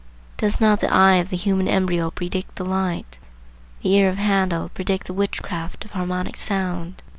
Does not the eye of the human embryo predict the light? the ear of Handel predict the witchcraft of harmonic sound?